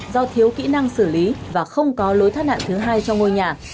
do thiếu kỹ năng xử lý và không có lối thoát nạn thứ hai cho ngôi nhà